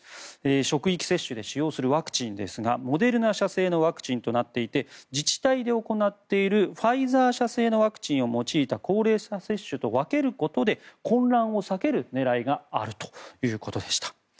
職域接種で使用するワクチンですがモデルナ社製のワクチンとなっていて、自治体で行っているファイザー社製のワクチンを用いた高齢者接種と分けることで混乱を避ける狙いがあるということでした。